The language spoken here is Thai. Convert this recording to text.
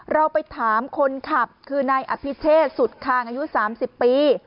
เราไปถามคนขับคือนายอภิเชษสุดคางอายุ๓๐ปี